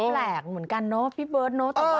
แปลกเหมือนกันเนาะพี่เบิร์ตเนอะ